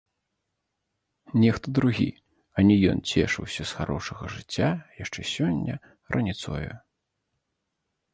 Нехта другі, а не ён цешыўся з харошага жыцця яшчэ сёння раніцою.